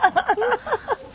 ハハハハ。